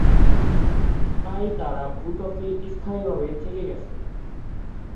তাই তারা ভূ-ত্বকেই স্থায়ীভাবে থেকে গেছে।